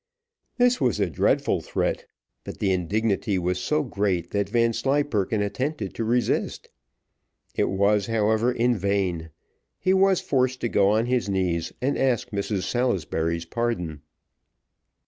This was a dreadful threat, but the indignity was so great, that Vanslyperken attempted to resist. It was, however, in vain; he was forced to go on his knees, and ask Mrs Salisbury's pardon.